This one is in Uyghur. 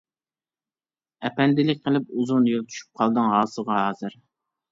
ئەپەندىلىك قىلىپ ئۇزۇن يىل، چۈشۈپ قالدىڭ ھاسىغا ھازىر.